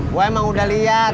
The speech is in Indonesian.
gue emang udah lihat